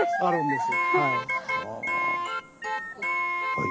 はい。